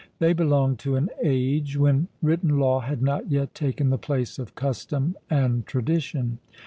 They belonged to an age when written law had not yet taken the place of custom and tradition.